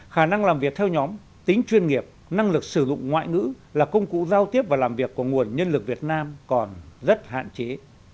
khả năng làm việc theo nhóm tính chuyên nghiệp năng lực sử dụng ngoại ngữ là công cụ giao tiếp và làm việc của nguồn nhân lực việt nam còn rất hạn chế